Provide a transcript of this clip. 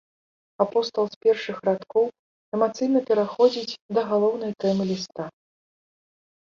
Апостал з першых радкоў эмацыйна пераходзіць да галоўнай тэмы ліста.